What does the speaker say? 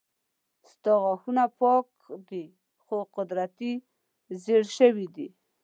ستا غاښونه پاک دي خو قدرتي زيړ شوي دي